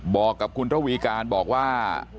บอกกับคุณระวีการบอกว่า